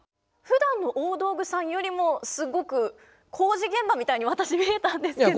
ふだんの大道具さんよりもすごく工事現場みたいに私見えたんですけど。